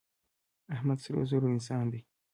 احمد سرزوره انسان دی.